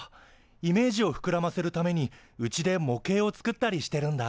イメージをふくらませるためにうちで模型を作ったりしてるんだ。